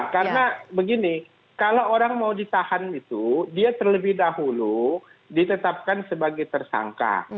karena begini kalau orang mau ditahan itu dia terlebih dahulu ditetapkan sebagai tersangka